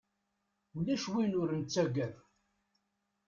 Ulac win ur nettaggad